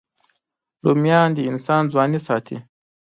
رومیان د انسان ځواني ساتي